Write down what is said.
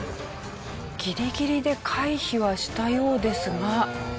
ギリギリで回避はしたようですが。